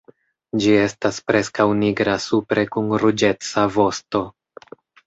Ĝi estas preskaŭ nigra supre kun ruĝeca vosto.